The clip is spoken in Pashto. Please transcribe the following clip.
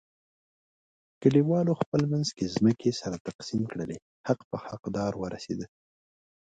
کلیوالو خپل منځ کې ځمکې سره تقسیم کړلې، حق په حق دار ورسیدا.